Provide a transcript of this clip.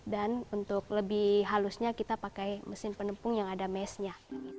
dan untuk lebih halusnya kita pakai mesin penepung yang ada mesnya